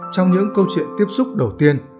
trong những câu chuyện tiếp xúc đầu tiên